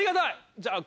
じゃあ。